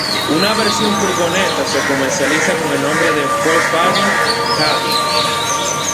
Una versión furgoneta se comercializa con el nombre de Volkswagen Caddy.